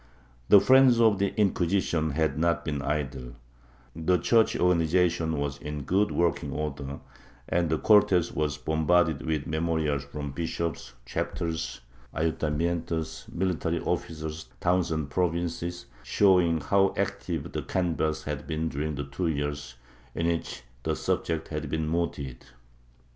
The friends of the Inciuisition had not been idle; the Church organization was in good working order, and the Cortes were bombarded with memorials from bishops, chapters, ayuntamientos, military officers, towns and provinces, showing how active the canvass had been during the two years in which the subject had been mooted.